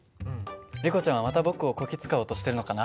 リコちゃんはまた僕をこき使おうとしてるのかな？